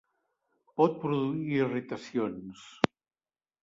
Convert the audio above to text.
Pot produir irritacions.